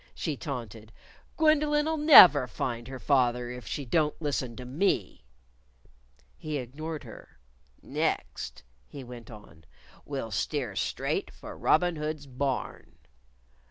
she taunted. "Gwendolyn'll never find her father if she don't listen to me." He ignored her. "Next," he went on "we'll steer straight for Robin Hood's Barn."